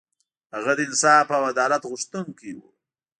هغه د انصاف او عدالت غوښتونکی و.